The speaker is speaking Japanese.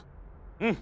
うん。